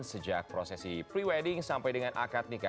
sejak prosesi pre wedding sampai dengan akad nikah